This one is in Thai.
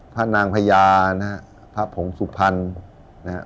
พระนางพญานะฮะพระผงสุพรรณนะครับ